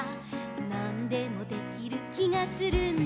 「なんでもできる気がするんだ」